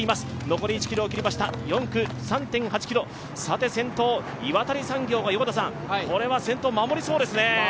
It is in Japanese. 残り１ｋｍを切りました、４区３．８ｋｍ、岩谷産業が先頭を守りそうですね。